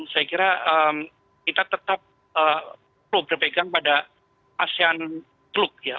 saya kira kita tetap perlu berpegang pada asean club ya